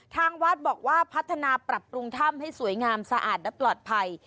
ทางวัดบอกว่าพัฒนาปรับปรุงถ้ำให้สวยงามสะอาดและปลอดภัย